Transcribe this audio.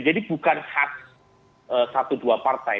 jadi bukan hak satu dua partai